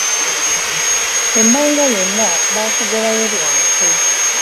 Emmanga yonna baakugobayo lwa nkwe.